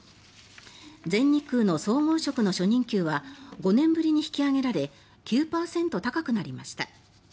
全日空の総合職の初任給は５年ぶりに引き上げられ９％高くなりました。